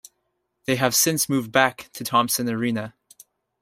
They have since moved back to Thompson Arena.